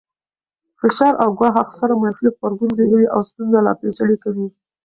فشار او ګواښ اکثراً منفي غبرګون زېږوي او ستونزه لا پېچلې کوي.